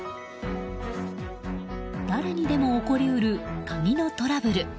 誰にでも起こり得る鍵のトラブル。